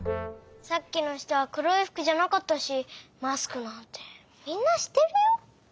さっきの人はくろいふくじゃなかったしマスクなんてみんなしてるよ？